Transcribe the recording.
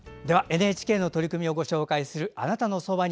ＮＨＫの取り組みをご紹介する「あなたのそばに」